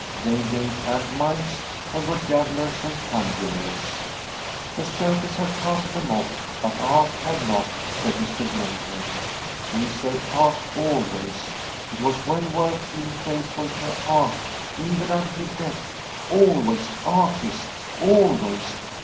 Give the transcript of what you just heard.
They gave pantomimes, and were jugglers and conjurers. From a SWEDISH HOMESTEAD The circus had cast them oflf, but Art had not, said Mr. Blomgren. They served Art always. It was well worth being faithful to Art, even unto death. Always artists — always.